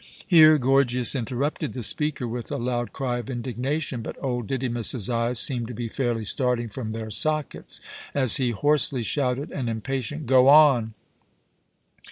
Here Gorgias interrupted the speaker with a loud cry of indignation, but old Didymus's eyes seemed to be fairly starting from their sockets as he hoarsely shouted an impatient "Go on!"